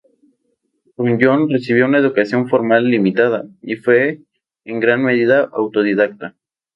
Runyon recibió una educación formal limitada y fue en gran medida autodidacta.